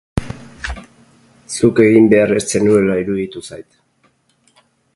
Zuk egin behar ez zenuela iruditu zait.